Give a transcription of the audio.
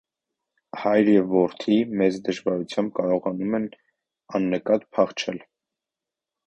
Հայր և որդի մեծ դժվարությամբ կարողանում են աննկատ փախչել։